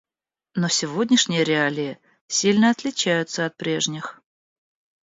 Но сегодняшние реалии сильно отличаются от прежних.